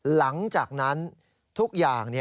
หลังจากนั้น